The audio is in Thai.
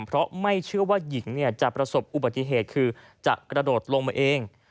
เพราะไม่เชื่อว่าหญิงจะประสบอุบัติเหตุคือจะกระโดดลงมาเอง